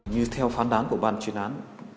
như theo phán đoán của ban chuyên án